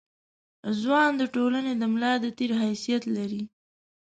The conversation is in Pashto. ځوان د ټولنې د ملا د تیر حیثیت لري.